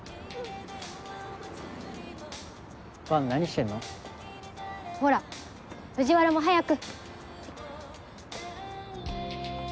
伴何してんの？ほら藤原も早く。